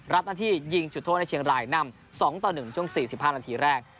รับหน้าที่ยิงจุดโทษในเชียงรายนำ๒ต่อ๑ช่วง๔๕นาทีแรก